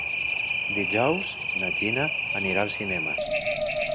Dijous na Gina irà al cinema.